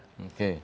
dan itu melanggar